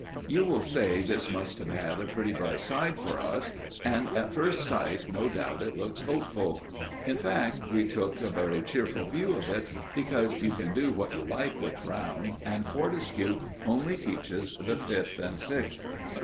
You will say this must have had a pretty bright side for us, and, at first sight, no doubt it looks hopeful. In fact, we took a very cheerful view of it, because you can do what you like with Brown, and Fortescue only teaches the Fifth and Sixth.